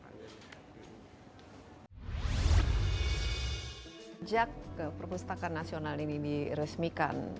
kejap ke perpustakaan nasional ini di resmika